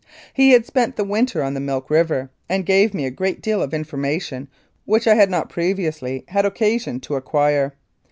He had spent the winter on the Milk River, and gave me a great deal of informa tion which I had not previously had occasion to acquire.